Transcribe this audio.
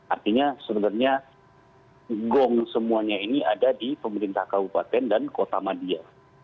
artinya sebenarnya gong semuanya ini ada di pemerintah kabupaten dan kota madia